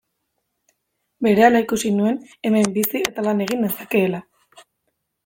Berehala ikusi nuen hemen bizi eta lan egin nezakeela.